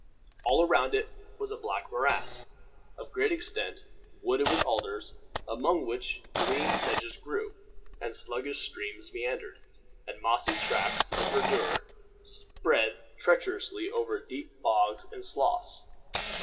All around it was a black morass, of great extent, wooded with alders, among which green sedges grew, and sluggish streams meandered, and mossy tracts of verdure spread treacherously over deep bogs and sloughs.